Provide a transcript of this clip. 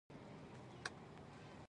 کتاب نوم التطور و الثبات دی.